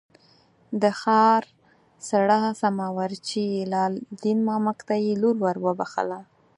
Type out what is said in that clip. د ښار څړه سما وارچي لال دین مامک ته یې لور ور وبخښله.